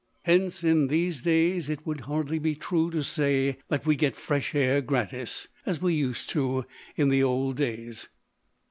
Hence, in these days, it would be hardly true to say that we get fresh air gratis, as we used to in the old days.